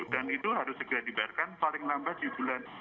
dan itu harus segera dibayarkan paling lambat di bulan